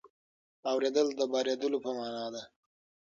اورېدل د بارېدلو په مانا ده.